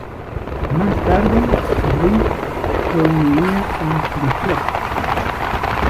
Más tarde, Riggs se uniría a The Flock.